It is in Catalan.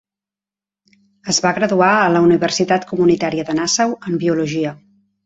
Es va graduar a la Universitat Comunitària de Nassau en biologia.